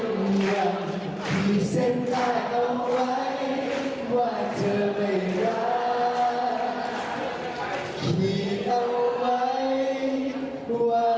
คิดเอาไว้ว่าเราจะรัก